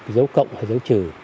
dấu cộng hay dấu trừ